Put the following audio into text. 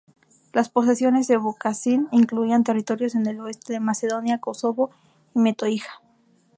Las posesiones de Vukašin incluían territorios en el oeste de Macedonia, Kosovo y Metohija.